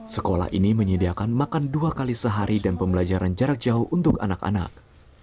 sekolah ini menyediakan makan dua kali sehari dan pembelajaran jarak jauh untuk anak anak